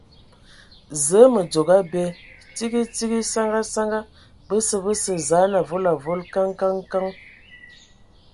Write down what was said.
Zǝə, mǝ dzogo abe, tsigi tsigi, saŋa saŋa ! Bəsə, bəsə, zaan avol avol !... Kǝŋ Kǝŋ Kǝŋ Kǝŋ!